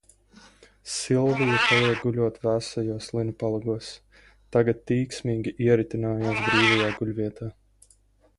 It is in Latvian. Silvija paliek guļot vēsajos linu palagos, tagad tīksmīgi ieritinājās brīvajā guļvietā.